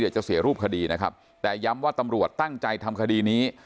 จะเสียรูปคดีนะครับแต่ย้ำว่าตำรวจตั้งใจทำคดีนี้